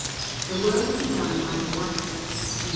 The work begun by the latter in S.